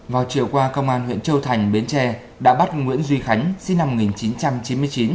vào chiều qua công an huyện châu thành bến tre đã bắt nguyễn duy khánh sinh năm một nghìn chín trăm chín mươi chín